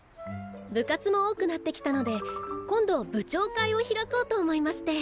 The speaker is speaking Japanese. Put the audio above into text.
部活も多くなってきたので今度部長会を開こうと思いまして。